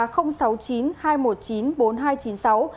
để giữ được dịch vụ